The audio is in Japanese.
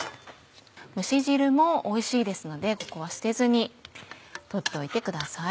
蒸し汁もおいしいですのでここは捨てずに取っといてください。